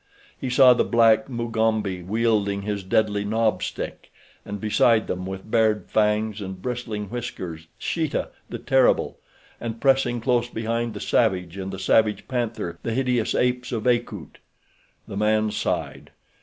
He saw the black Mugambi wielding his deadly knob stick, and beside them, with bared fangs and bristling whiskers, Sheeta the terrible; and pressing close behind the savage and the savage panther, the hideous apes of Akut. The man sighed.